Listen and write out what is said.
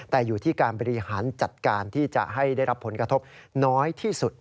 แต่อยู่ที่การบริหารจัดการที่จะให้ได้รับผลกระทบน้อยที่สุด